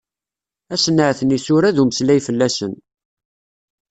Asenɛet n yisura, d umeslay fell-asen.